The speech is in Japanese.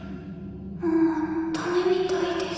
もうダメみたいです。